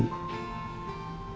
kemungkinannya akan terjadi